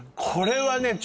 これはね